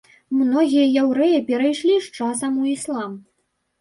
Многія яўрэі перайшлі з часам у іслам.